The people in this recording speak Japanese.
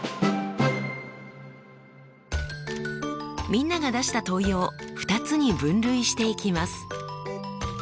みんなが出した問いを２つに分類していきます。